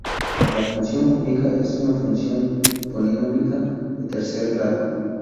La función cúbica es una función polinómica de tercer grado.